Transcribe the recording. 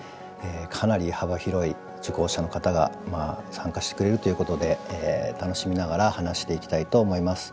かなり幅広い受講者の方が参加してくれるということで楽しみながら話していきたいと思います。